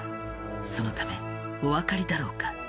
そのためおわかりだろうか？